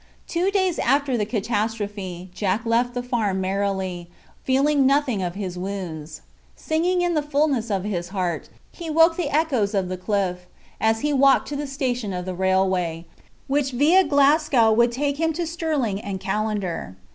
Two days after the catastrophe Jack left the farm merily, feeling nothing of his wounds. Singing in the fullness of his heart, he awoke the echoes of the cliff, as he walked to the station of the railway, which via Glasgow would take him to Stirling and Callander.